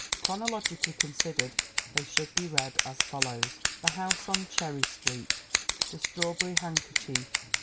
Chronologically considered they should be read as follows : The House on Cherry Street. The Strawberry Handkerchief.